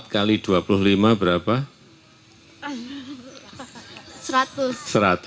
empat kali dua puluh lima berapa